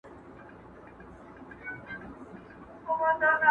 که به زما په دعا کیږي تا دی هم الله مین کړي.!